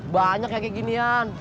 banyak kayak ginian